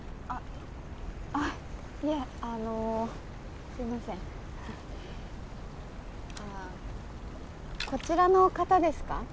あっこちらの方ですか？